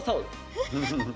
フッフフ！